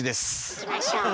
いきましょう。